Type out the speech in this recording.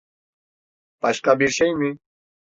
Başka bir şey mi?